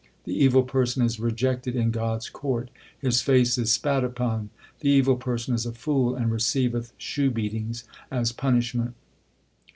The evil person is rejected in God s court ; his face is spat upon. The evil person is a fool, and receiveth shoe beatings as punishment.